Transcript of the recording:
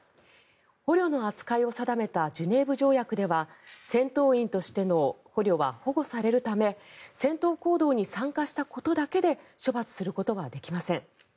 捕虜の扱いを定めたジュネーブ条約では戦闘員としての捕虜は保護されるため戦闘行動に参加したことだけで処罰することはできません。